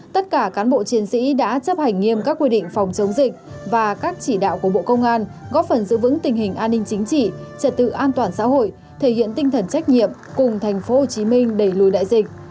tất cả cán bộ chiến sĩ đã chấp hành nghiêm các quy định phòng chống dịch và các chỉ đạo của bộ công an góp phần giữ vững tình hình an ninh chính trị trật tự an toàn xã hội thể hiện tinh thần trách nhiệm cùng tp hcm đẩy lùi đại dịch